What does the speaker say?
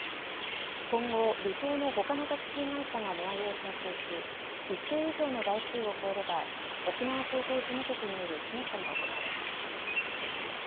今後離島のほかのタクシー会社が値上げを申請し一定以上の台数を超えれば沖縄総合事務局による審査が行われます。